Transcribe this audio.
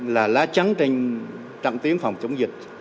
là lá trắng trên trạng tiếng phòng chống dịch